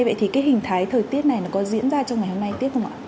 vậy thì cái hình thái thời tiết này nó có diễn ra trong ngày hôm nay tiếp không ạ